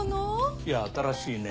いや新しいね